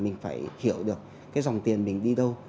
mình phải hiểu được cái dòng tiền mình đi đâu